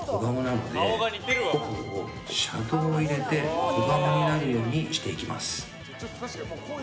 頬にシャドーを入れて小顔になるようにしていきます。